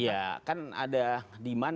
iya kan ada diman